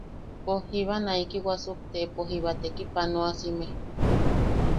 Pos jiba naiki wasuktepo jiba tekipanoasime.